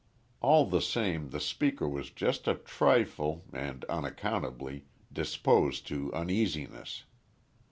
All the same the speaker was just a trifle and unaccountably disposed to uneasiness.